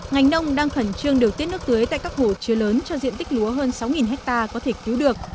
ngành nông đang khẩn trương điều tiết nước tưới tại các hồ chứa lớn cho diện tích lúa hơn sáu ha có thể cứu được